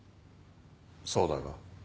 そうだが。